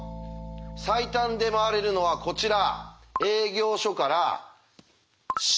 最短で回れるのはこちら。